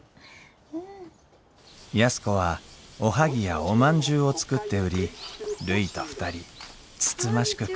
安子はおはぎやおまんじゅうを作って売りるいと２人つつましく暮らしていました